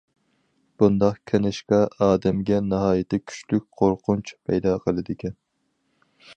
بۇنداق كىنىشكا ئادەمگە ناھايىتى كۈچلۈك قورقۇنچ پەيدا قىلىدىكەن.